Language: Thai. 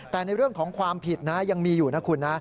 แต่ในเรื่องของความผิดนะยังมีอยู่นะคุณนะ